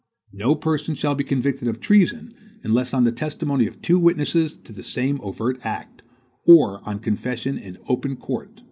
No person shall be convicted of treason, unless on the testimony of two witnesses to the same overt act, or on confession in open court."